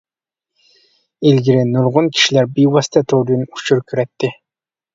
ئىلگىرى، نۇرغۇن كىشىلەر بىۋاسىتە توردىن ئۇچۇر كۆرەتتى.